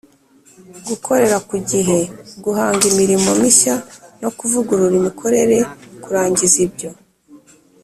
gukorera ku gihe, guhanga imirimo mishya no kuvugurura imikorere, kurangiza ibyo